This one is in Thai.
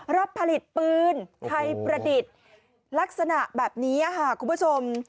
รับผลิตปืนไทยประดิษฐ์ลักษณะแบบนี้ค่ะคุณผู้ชม